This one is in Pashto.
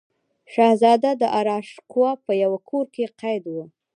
شهزاده داراشکوه په یوه کور کې قید و.